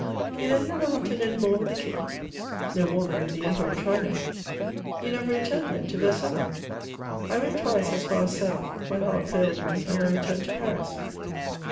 You then never hunted any more with the King ? No more than with the Emperor of China. Ton never returned then to Ver sailles 7 I went twice as far as Sevres ; my heart failed me, and I returned to Paris.